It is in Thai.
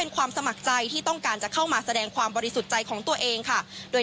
ความสมัครใจที่ต้องการจะเข้ามาแสดงความบริสุทธิ์ใจของตัวเองค่ะโดย